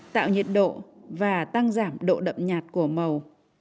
tạo nhiệt độ và tăng giảm độ đậm nhạt của màu